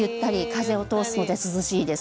風を通すので涼しいです。